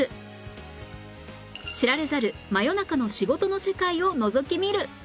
知られざる真夜中の仕事の世界をのぞき見る！